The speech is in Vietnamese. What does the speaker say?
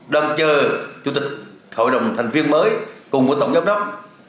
đang chờ chủ tịch hội đồng thành viên mới cùng với tổng giám đốc